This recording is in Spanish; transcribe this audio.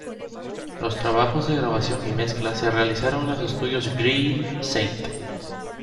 Los trabajos de grabación y mezcla se realizaron en los estudios Greene St.